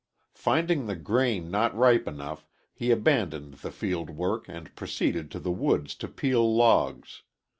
Finding the grain not ripe enough, he abandoned the field work and proceeded to the woods to peel logs.